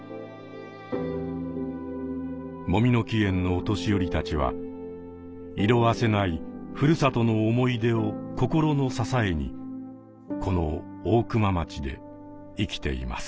もみの木苑のお年寄りたちは色あせない故郷の思い出を心の支えにこの大熊町で生きています。